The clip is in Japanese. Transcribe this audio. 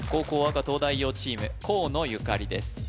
赤東大王チーム河野ゆかりです